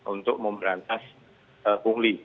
untuk memerantas pungli